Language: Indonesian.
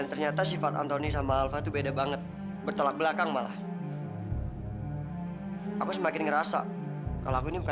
terry bilang kamu tuh topan bukan antoni